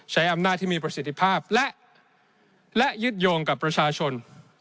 ใช้อำนาจที่มีประสิทธิภาพและยึดโยงกับประชาชน